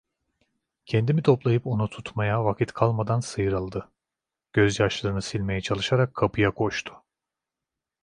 Kendimi toplayıp onu tutmaya vakit kalmadan sıyrıldı, gözyaşlarını silmeye çalışarak kapıya koştu.